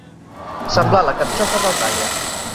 Semblar la carxofa d'Aldaia.